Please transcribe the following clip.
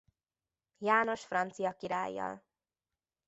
János francia királlyal.